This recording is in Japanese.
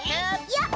やっ！